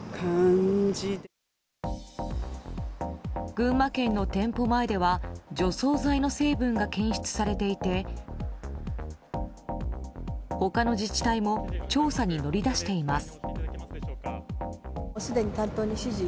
群馬県の店舗前では除草剤の成分が検出されていて他の自治体も調査に乗り出しています。